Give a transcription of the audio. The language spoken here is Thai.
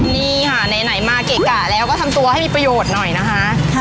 นี่ค่ะไหนมาเกะกะแล้วก็ทำตัวให้มีประโยชน์หน่อยนะคะ